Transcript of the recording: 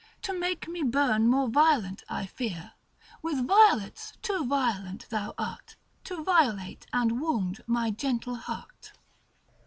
To make me burn more violent, I fear, With violets too violent thou art, To violate and wound my gentle heart.